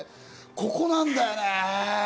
ここなんだよねぇ。